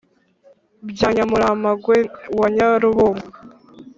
bya nyamuramagwe wa nyarubungo,